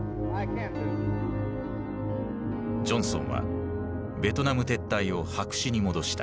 ジョンソンはベトナム撤退を白紙に戻した。